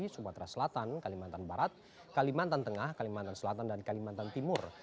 sumatera selatan kalimantan barat kalimantan tengah kalimantan selatan dan kalimantan timur